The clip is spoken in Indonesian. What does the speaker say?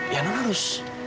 ya non harus